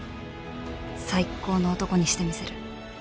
最高の男にしてみせる